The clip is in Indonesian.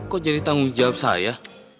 kok jadi tanggung jawab saya